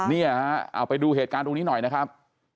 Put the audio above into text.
เนี่ยฮะเอาไปดูเหตุการณ์ตรงนี้หน่อยนะครับ